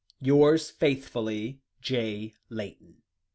Yours faithfully, "J. LAYTON."